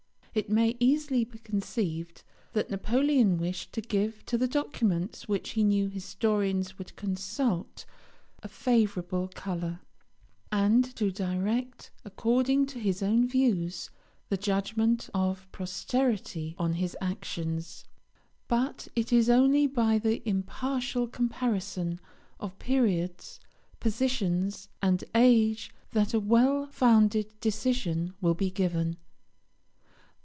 It may easily be conceived that Napoleon wished to give to the documents which he knew historians would consult a favourable colour, and to direct, according to his own views, the judgment of posterity on his actions: But it is only by the impartial comparison of periods, positions, and age that a well founded decision will be given.